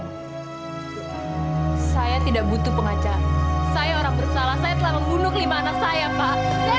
saya tidak butuh pengacara saya orang bersalah saya telah membunuh lima anak saya pak